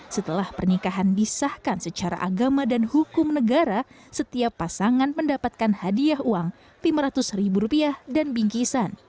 setelah pernikahan disahkan secara agama dan hukum negara setiap pasangan mendapatkan hadiah uang lima ratus ribu rupiah dan bingkisan